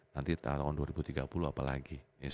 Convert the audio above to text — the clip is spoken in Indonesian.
nanti tahun dua ribu tiga puluh apa lagi